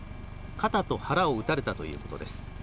肩と腹を撃たれたということです。